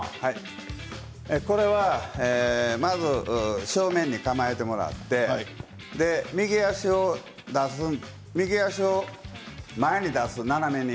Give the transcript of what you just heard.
これはまず正面に構えてもらって、右足を前に出す、斜めに。